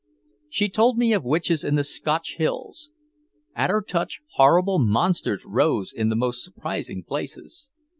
She told me of witches in the Scotch hills. At her touch horrible monsters rose in the most surprising places.